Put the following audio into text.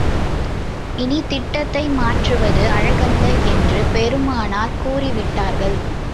இனித் திட்டத்தை மாற்றுவது அழகல்ல என்று பெருமானார் கூறிவிட்டார்கள்.